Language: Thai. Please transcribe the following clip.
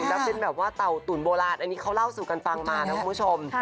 แล้วเป็นแบบว่าเต่าตุ๋นโบราณอันนี้เขาเล่าสู่กันฟังมานะคุณผู้ชม